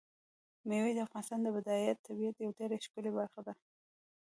مېوې د افغانستان د بډایه طبیعت یوه ډېره ښکلې برخه ده.